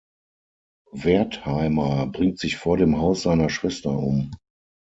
Wertheimer bringt sich vor dem Haus seiner Schwester um.